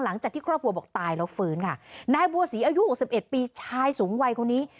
หลังจากที่ครอบครัวบอกตายแล้วฟื้นค่ะนายบัวศรีอายุหกสิบเอ็ดปีชายสูงวัยคนนี้